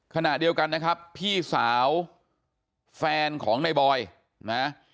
ขณะเดียวกันนะครับพี่สาวแฟนของในบอยนะ